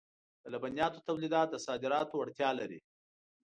د لبنیاتو تولیدات د صادراتو وړتیا لري.